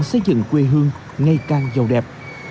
xây dựng quy hương ngày càng giàu đẹp